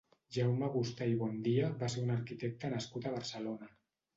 Jaume Gustà i Bondia va ser un arquitecte nascut a Barcelona.